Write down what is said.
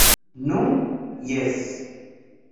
Nu, jes.